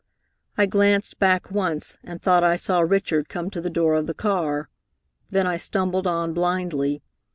I glanced back once, and thought I saw Richard come to the door of the car. Then I stumbled on blindly.